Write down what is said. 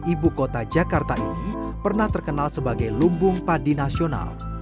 ibu kota jakarta ini pernah terkenal sebagai lumbung padi nasional